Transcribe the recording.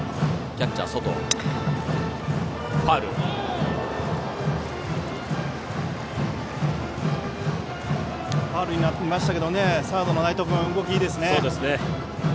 ファウルになりましたけどサードの内藤君動きがいいですね。